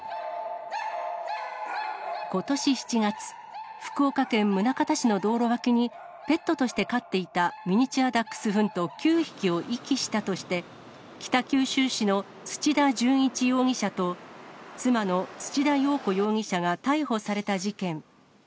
ことし７月、福岡県宗像市の道路脇にペットとして飼っていたミニチュアダックスフント９匹を遺棄したとして、北九州市の土田順一容疑者と、妻の土田容子容疑者が逮捕された事件。